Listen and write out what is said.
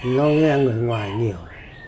nó nghe người ngoài nhiều